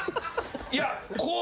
いやこう。